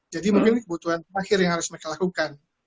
jadi mungkin ini kebutuhan terakhir yang harus mereka lakukan